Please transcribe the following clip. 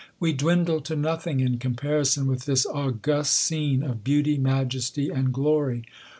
We dwindle to nothing in comparison with this august scene of beauty, majesty, and glory.